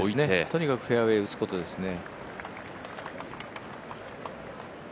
とにかくフェアウエー打つことですね。